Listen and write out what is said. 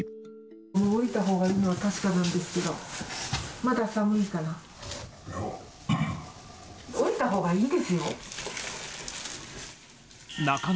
下りたほうがいいのは確かなんですけど、まだ寒いかな。